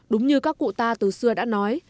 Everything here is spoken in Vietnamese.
đúng như các cụ ta từ xưa đã nói